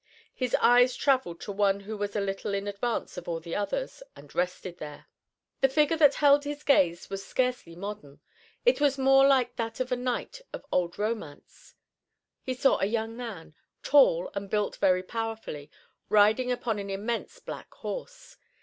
His eyes traveled to one who was a little in advance of all the others, and rested there. The figure that held his gaze was scarcely modern, it was more like that of a knight of old romance. He saw a young man, tall, and built very powerfully, riding upon an immense black horse.